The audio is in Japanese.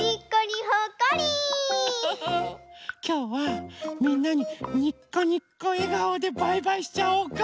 きょうはみんなににこにこえがおでバイバイしちゃおうか。